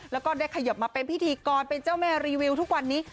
แล้วก็ได้ขยบมาเป็นพิธีกรเป็นเจ้าแม่รีวิวทุกวันนี้